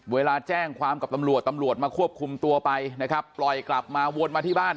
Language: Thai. เวลาแจ้งความกับตำรวจตำรวจมาควบคุมตัวไปนะครับปล่อยกลับมาวนมาที่บ้าน